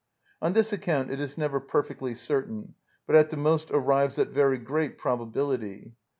On this account it is never perfectly certain, but at the most arrives at very great probability.